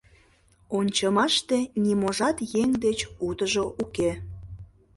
Ончымаште ниможат еҥ деч утыжо уке.